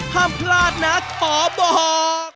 ห้ามพลาดนะขอบอก